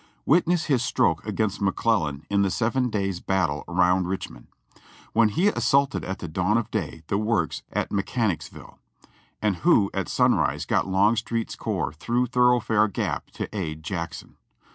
Witness his stroke against McClellan in the Seven Days' Battles around Richmond, when he assaulted at the dawn of day the works at Alechanicsville ; and who at sunrise got Longstreet's corps through Thoroughfare Gap to aid Jackson.